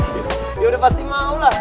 dia udah pasti mau lah